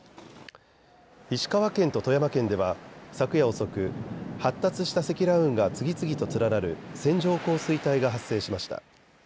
石川県と富山県では昨夜遅く発達した積乱雲が次々と連なる線状降水帯が発生しました。